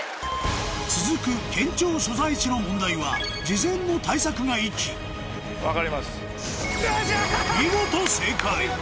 続く県庁所在地の問題は事前の対策が生きよっしゃ！